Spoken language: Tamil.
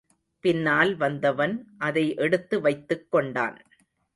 பின்னால் வந்தவன் அதை எடுத்து வைத்துக் கொண்டான்.